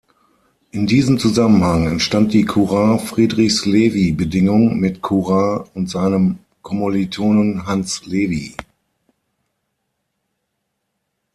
In diesem Zusammenhang entstand die Courant-Friedrichs-Lewy-Bedingung mit Courant und seinem Kommilitonen Hans Lewy.